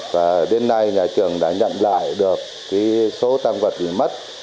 và đến nay nhà trường đã nhận lại được số tăng vật bị mất